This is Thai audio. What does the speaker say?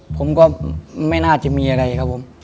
ผมก็ไม่น่าจะมีอะไรครับผม